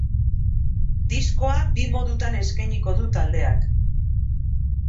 Diskoa bi modutan eskainiko du taldeak.